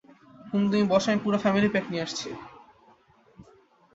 হুম তুমি বসো, আমি পুরো ফ্যামিলি প্যাক নিয়ে আসছি।